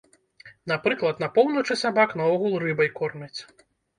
Напрыклад, на поўначы сабак наогул рыбай кормяць.